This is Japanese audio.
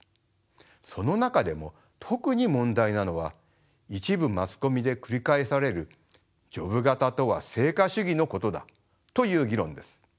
その中でも特に問題なのは一部マスコミで繰り返されるジョブ型とは成果主義のことだという議論です。